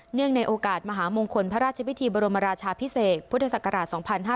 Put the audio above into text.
ในโอกาสมหามงคลพระราชพิธีบรมราชาพิเศษพุทธศักราช๒๕๕๙